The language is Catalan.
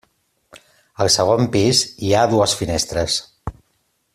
Al segon pis hi ha dues finestres.